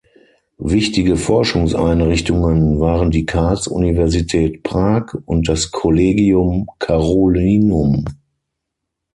Wichtige Forschungseinrichtungen waren die Karls-Universität Prag, und das Collegium Carolinum.